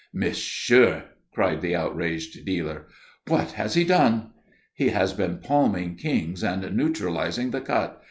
"Monsieur!" cried the outraged dealer. "What has he done?" "He has been palming kings and neutralizing the cut.